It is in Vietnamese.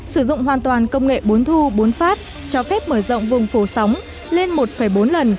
sử dụng hoàn toàn công nghệ bốn thu bốn phát cho phép mở rộng vùng phổ sóng lên một bốn lần